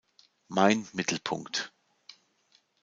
Mein Mittelpunkt.